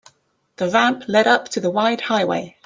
The ramp led up to the wide highway.